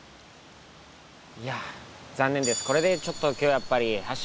いやあ残念です。